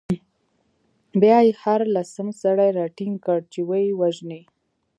بیا يې هر لسم سړی راټینګ کړ، چې ویې وژني.